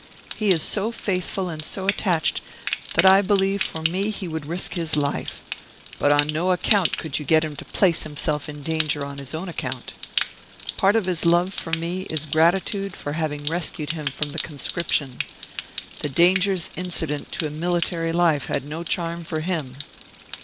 He is so faithful and so attached that I believe for me he would risk his life; but on no account could you get him to place himself in danger on his own account. Part of his love for me is gratitude for having rescued him from the conscription: the dangers incident to a military life had no charm for him!"